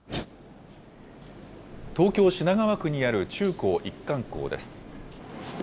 東京・品川区にある中高一貫校です。